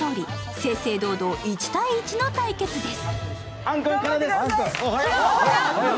正々堂々１対１の対決です。